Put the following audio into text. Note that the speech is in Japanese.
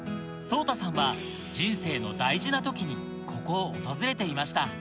ＳＯＴＡさんは人生の大事な時にここを訪れていました